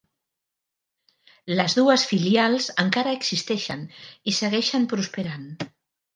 Les dues filials encara existeixen i segueixen prosperant.